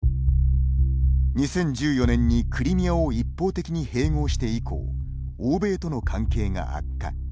２０１４年にクリミアを一方的に併合して以降欧米との関係が悪化。